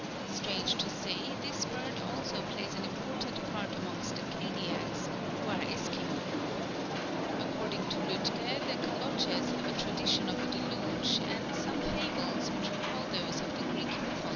Strange to say, this bird also plays an important part amongst the Kadiaks, who are Esquimaux. According to Lütke, the Kaloches have a tradition of a deluge and some fables which recall those of the Greek mythology.